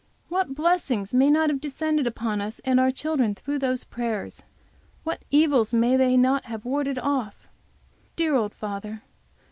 What blessings may not have descended upon us and our children through those prayers! What evils may they not have warded off! Dear old father!